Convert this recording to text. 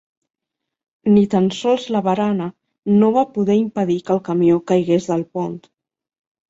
Ni tan sols la barana no va poder impedir que el camió caigués del pont.